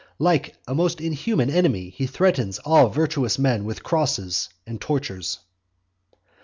Like a most inhuman enemy he threatens all virtuous men with crosses and tortures.